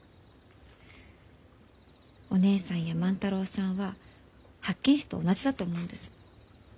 お義姉さんや万太郎さんは八犬士と同じだと思うんです。